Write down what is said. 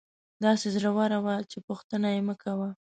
داسې زړوره وه چې پوښتنه یې مکوه.